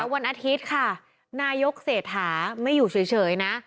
วันอาทิตย์ค่ะนายกเศรษฐาไม่อยู่เฉยนะ